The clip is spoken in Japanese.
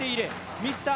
ミスター